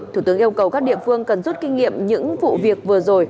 thủ tướng yêu cầu các địa phương cần rút kinh nghiệm những vụ việc vừa rồi